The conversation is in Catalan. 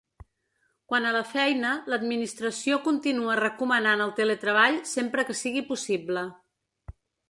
Quant a la feina, l’administració continua recomanant el teletreball sempre que sigui possible.